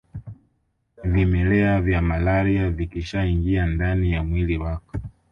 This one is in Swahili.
Vimelea vya malaria vikishaingia ndani ya mwili wako